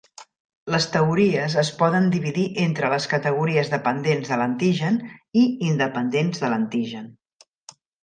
Les teories es poden dividir entre les categories dependents de l'antigen i independents de l'antigen.